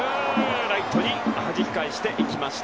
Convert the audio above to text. ライトにはじき返していきました。